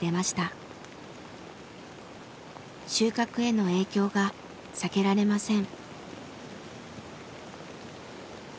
収穫への影響が避けられません。